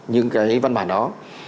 nhưng cái văn bản đó